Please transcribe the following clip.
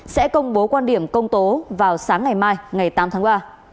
sẽ công bố quan điểm công tố vào sáng ngày mai ngày tám tháng ba